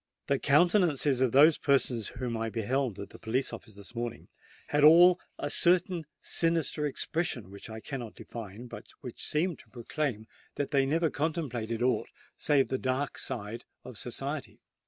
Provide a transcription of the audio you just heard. "The countenances of those persons whom I beheld at the police office this morning, had all a certain sinister expression which I cannot define, but which seemed to proclaim that they never contemplated aught save the dark side of society."